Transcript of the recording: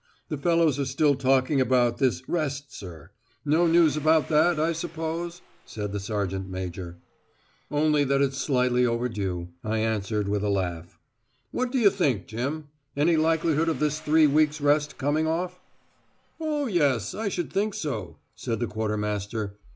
"The fellows are still talking about this 'rest,' sir. No news about that, I suppose?" said the sergeant major. "Only that it's slightly overdue," I answered, with a laugh. "What do you think, Jim? Any likelihood of this three weeks' rest coming off?" "Oh, yes; I should think so," said the quartermaster.